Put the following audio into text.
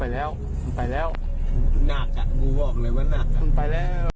หนักจับดูบอกเลยว่าหนัก